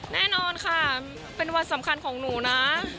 แน่นอนค่ะเป็นวันสำคัญของหนูนะ